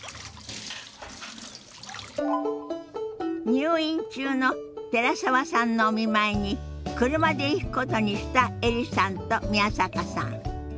入院中の寺澤さんのお見舞いに車で行くことにしたエリさんと宮坂さん。